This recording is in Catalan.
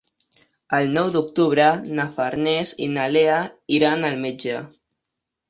El nou d'octubre na Farners i na Lea iran al metge.